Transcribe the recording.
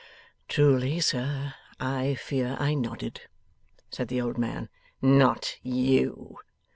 'Truly, sir, I fear I nodded,' said the old man. 'Not you!